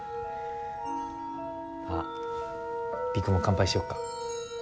あ璃久も乾杯しよっか。